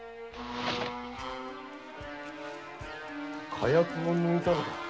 火薬を抜いたのだ。